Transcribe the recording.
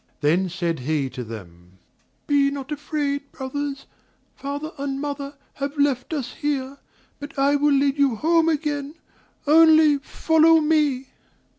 Then said he to them: "Be not afraid, brothers, father and mother have left us here, but I will lead you home again, only follow me."